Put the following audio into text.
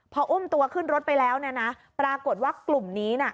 พออุ้มตัวขึ้นรถไปแล้วเนี่ยนะปรากฏว่ากลุ่มนี้น่ะ